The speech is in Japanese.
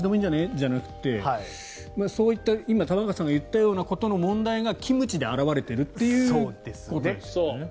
じゃなくてそういった玉川さんが言ったようなことの問題がキムチで表れているっていうことなんですよね。